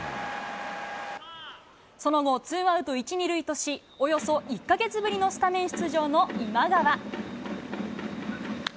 その後、ツーアウト１、２塁とし、およそ１か月ぶりのスタメン出場の今川。